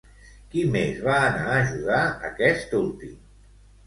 Qui més va anar a ajudar aquest últim?